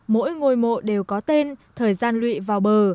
mỗi ngôi mộ đều có tên thời gian lụy vào bờ